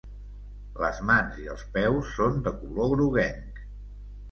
Les mans i els peus són de color groguenc.